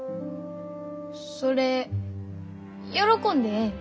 それ喜んでええん？